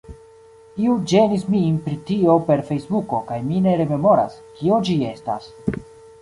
Iu ĝenis min pri tio per Fejsbuko kaj mi ne rememoras, kio ĝi estas